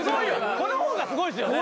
この方がすごいですよね